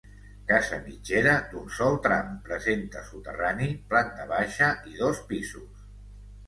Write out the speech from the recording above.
Casa mitgera, d'un sol tram, presenta soterrani, planta baixa i dos pisos.